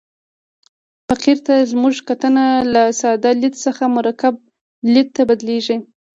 فقر ته زموږ کتنه له ساده لید څخه مرکب لید ته بدلېږي.